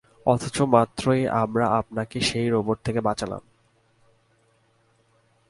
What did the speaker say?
অথচ, মাত্রই আমরা আপনাকে সেই রোবট থেকেই বাঁচালাম।